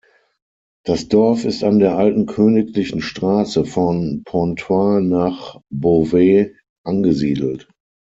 Das Dorf ist an der alten königlichen Straße von Pontoise nach Beauvais angesiedelt.